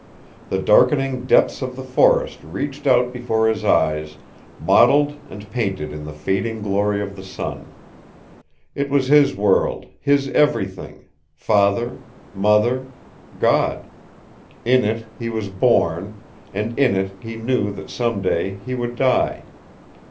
The darkening depths of the forest reached out before his eyes, mottled and painted in the fading glory of the sun. It was his world, his everything father, mother, God. In it he was born, and in it he knew that some day he would die.